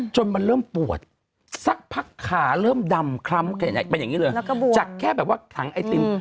จนมันเริ่มปวดสักพักขาเริ่มดำคล้ำเป็นอย่างนี้เลยจากแค่แบบว่าถังไอติม